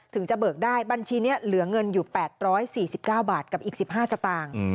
ถึงจะเบิกได้บัญชีนี้เหลือเงินอยู่๘๔๙บาทกับอีก๑๕สตางค์